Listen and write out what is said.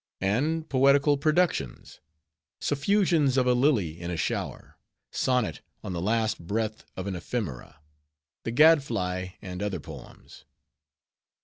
And poetical productions:— "Suffusions of a Lily in a Shower." "Sonnet on the last Breath of an Ephemera." "The Gad fly, and Other Poems."